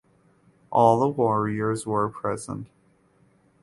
All the warriors were present.